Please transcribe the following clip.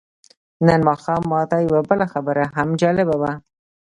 نن ماښام ماته یوه بله خبره هم جالبه وه.